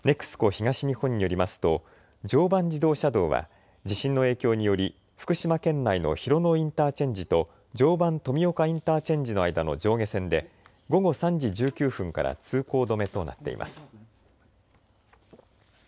ＮＥＸＣＯ東日本によりますと常磐自動車道は地震の影響により福島県内の広野インターチェンジと常磐富岡インターチェンジの間の上下線で午後３時１９分から通行止めとなっています。